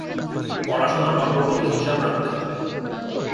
পড়াশুনার অগ্রগতির হিসাব রাখতে হবে।